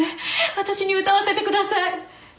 私に歌わせてください。